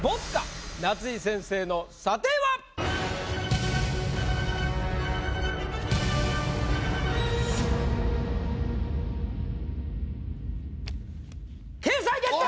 夏井先生の査定は⁉掲載決定！